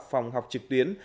phòng học trực tuyến